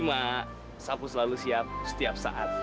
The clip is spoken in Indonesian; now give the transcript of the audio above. s lima sapu selalu siap setiap saat